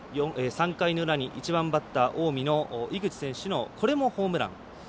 １番バッター、近江の井口選手のこれも、ホームラン。